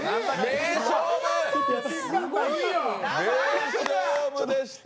名勝負でした。